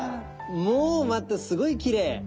もうまたすごいきれい。